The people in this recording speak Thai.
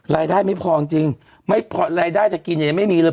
รายได้ไม่พอจริงรายได้จะกินยังไม่มีเลย